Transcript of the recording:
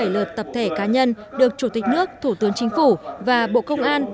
bảy mươi lượt tập thể cá nhân được chủ tịch nước thủ tướng chính phủ và bộ công an